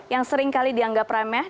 yang sering kali dianggap remeh